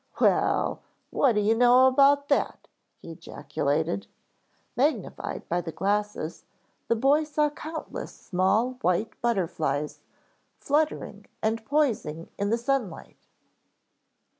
"Well, what do you know about that!" he ejaculated. Magnified by the glasses, the boy saw countless small, white butterflies, fluttering and poising in the sunlight.